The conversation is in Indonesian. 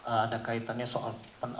ada kaitannya soal